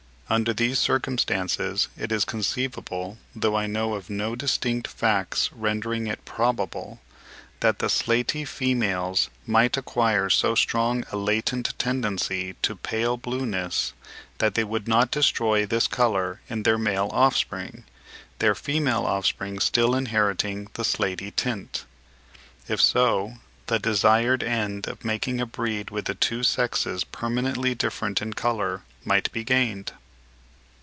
Under these circumstances it is conceivable (though I know of no distinct facts rendering it probable) that the slaty females might acquire so strong a latent tendency to pale blueness, that they would not destroy this colour in their male offspring, their female offspring still inheriting the slaty tint. If so, the desired end of making a breed with the two sexes permanently different in colour might be gained.